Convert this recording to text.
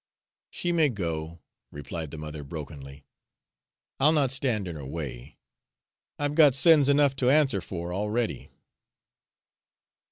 "She may go," replied the mother brokenly. "I'll not stand in her way I've got sins enough to answer for already."